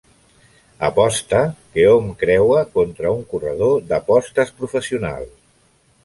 Aposta que hom creua contra un corredor d'apostes professional.